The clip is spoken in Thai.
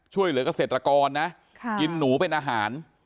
ช่วยเหลือกเกษตรกรนะกินหนูเป็นอาหาร